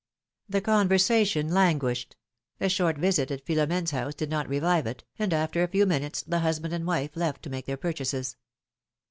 The conversation languished ; a short visit at Philo mfene's house did not revive it, and after a few minutes the husband and wife left to make their purchases.